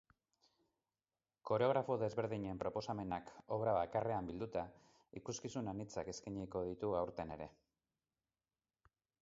Koreografo desberdinen proposamenak obra bakarrean bilduta, ikuskizun anitzak eskainiko ditu aurten ere.